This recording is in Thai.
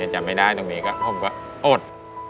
จะไม่ได้ตรงนี้ก็อด